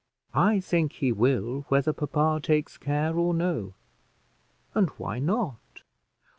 "I think he will, whether papa takes care or no; and why not?"